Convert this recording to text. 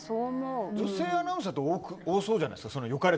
女性アナウンサーって多そうじゃないですか。